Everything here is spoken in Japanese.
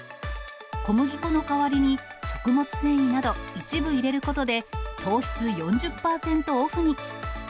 小麦粉の代わりに食物繊維など、一部入れることで、糖質４０％オフに。